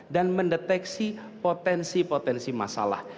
dan mendeteksi potensi potensi masalah